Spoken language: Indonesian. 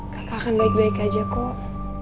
kakak akan baik baik aja kok